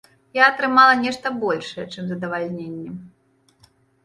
Я атрымала нешта большае, чым задавальненне.